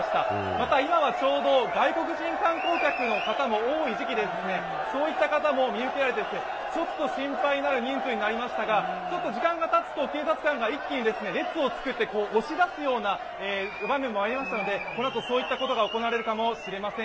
また今はちょうど外国人観光客の方も多い時期で、そういった方も見受けられていてちょっと心配になる人数になりましたが時間がたつと、警察官が一気に列を作って押し出すような場面もありましたので、このあとそういったことも行われるかもしれません。